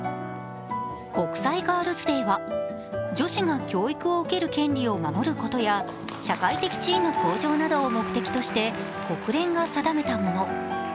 国際ガールズ・デーは女子が教育を受ける権利を守ることや社会的地位の向上などを目的として国連が定めたもの。